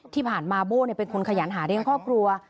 ที่ผ่านมาโบ้เป็นคนขยันหาเลี้ยงครอบครัว